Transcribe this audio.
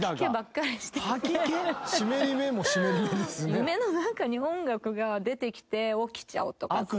夢の中に音楽が出てきて起きちゃうとかさ。